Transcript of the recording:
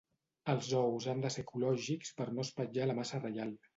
Els ous han de ser ecològics per no espatllar la massa reial.